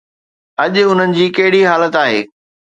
اڄ انهن جي ڪهڙي حالت آهي؟